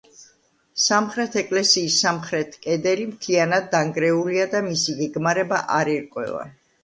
სამხრეთ ეკლესიის სამხრეთ კედელი მთლიანად დანგრეულია და მისი გეგმარება არ ირკვევა.